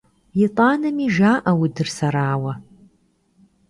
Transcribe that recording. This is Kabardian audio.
ИтӀанэми жаӀэ удыр сэрауэ!